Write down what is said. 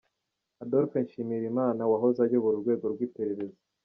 Adolphe Nshimirimana wahoze ayobora urwego rw’iperereza.